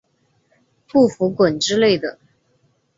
不服滚之类的